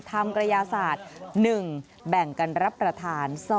กระยาศาสตร์๑แบ่งกันรับประทาน